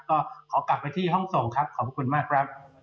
ก็ขอกลับไปที่ห้องส่งครับขอบคุณมากครับ